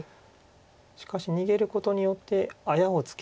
しかし逃げることによってあやをつける。